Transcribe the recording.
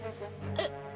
えっ？